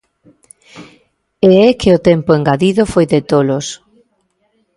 E é que o tempo engadido foi de tolos.